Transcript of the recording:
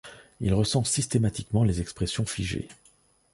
Il recense systématiquement les expressions figées.